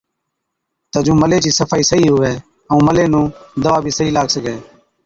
تہ جُون ملي چِي صفائِي صحِيح هُوَي ائُون ملي نُون دَوا بِي صحِيح لاگ سِگھَي۔